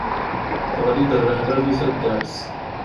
Teɣli-d rrehba di taddart.